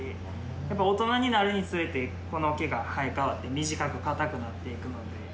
やっぱ大人になるにつれてこの毛が生え替わって短く硬くなって行くので。